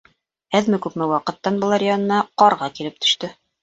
Әҙме-күпме ваҡыттан былар янына ҡарға килеп төштө.